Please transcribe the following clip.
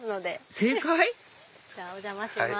じゃあお邪魔します。